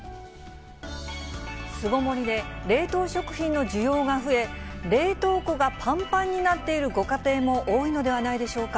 巣ごもりで冷凍食品の需要が増え、冷凍庫がぱんぱんになっているご家庭も多いのではないでしょうか。